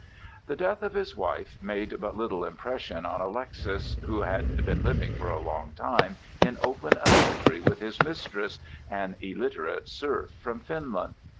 The death of his wife made but little impression on Alexis, who had been living for a long time in open adultery with his mistress, an illiterate serf from Finland.